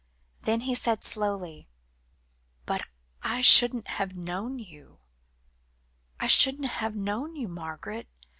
Then he said slowly "But I shouldn't have known you I shouldn't have known you, Margaret.